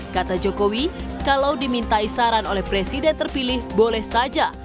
kata jokowi kalau dimintai saran oleh presiden terpilih boleh saja